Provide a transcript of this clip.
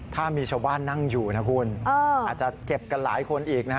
ถ้ามีชาวบ้านนั่งอยู่นะคุณอาจจะเจ็บกันหลายคนอีกนะฮะ